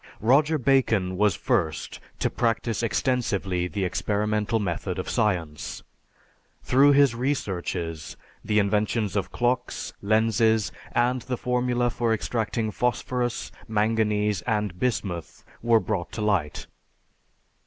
Roger Bacon was first to practice extensively the experimental method of science. Through his researches the inventions of clocks, lenses, and the formula for extracting phosphorus, manganese, and bismuth were brought to light.